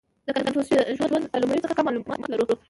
• د کنفوسیوس د ژوند له لومړیو څخه کم معلومات لرو.